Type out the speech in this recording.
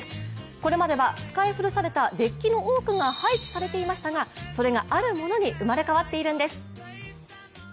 これまでは使い古されたデッキの多くが廃棄されていましたが、それが、あるものに生まれ変わっているんです。